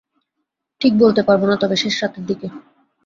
ঠিক বলতে পারব না, তবে শেষরাতের দিকে।